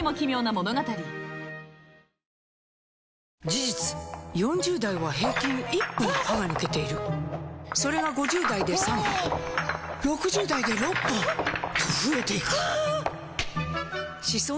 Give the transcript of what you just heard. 事実４０代は平均１本歯が抜けているそれが５０代で３本６０代で６本と増えていく歯槽